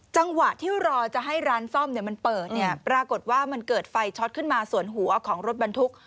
จังหวะที่รอจะให้ร้านซ่อมมันเปิดเนี่ยปรากฏว่ามันเกิดไฟช็อตขึ้นมาส่วนหัวของรถบรรทุก